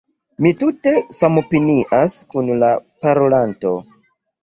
Mi tute samopinias kun la parolanto.